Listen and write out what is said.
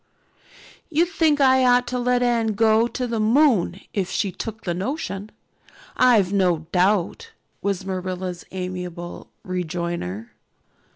"You'd think I ought to let Anne go to the moon if she took the notion, I've no doubt," was Marilla's amiable rejoinder.